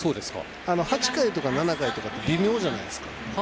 ８回とか７回って微妙じゃないですか。